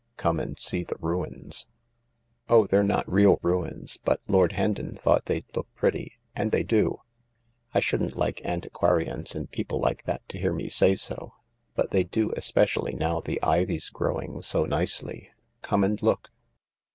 " Come and see the ruins. Oh, they're not real ruins, but Lord Hendon thought they'd look pretty. And they do. I shouldn't like antiquarians and people like that to hear me say so ; but they do, especi ally now the ivy's growing so nicely. Come and look."